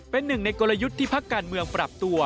เป็นหนึ่งในกลยุทธ์ที่พักการเมืองปรับตัว